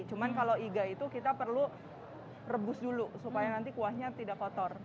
cuma kalau iga itu kita perlu rebus dulu supaya nanti kuahnya tidak kotor